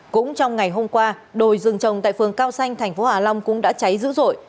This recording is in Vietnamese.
cũng trong ngày hôm qua đồi rừng trồng tại phường cao xanh thành phố hạ long cũng đã cháy dữ dội